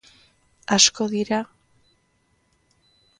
Asko ari da ongarri ekoizpenean erabiltzen da.